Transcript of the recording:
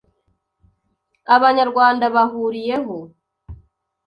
Abanyarwanda bahuriyeho,